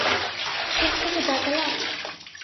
ঘুম থেকে জাগালাম?